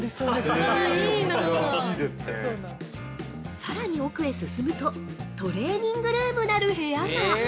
◆さらに奥へ進むとトレーニングルームなる部屋が。